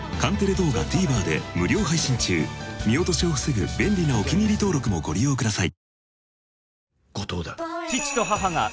見落としを防ぐ便利なお気に入り登録もご利用ください。